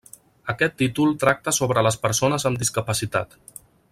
Aquest títol tracta sobre les persones amb discapacitat.